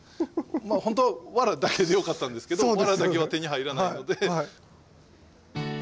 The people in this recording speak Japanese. まあほんとはワラだけでよかったんですけどワラだけは手に入らないので。